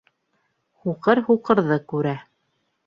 Һуҡыр һуҡырҙы күрә.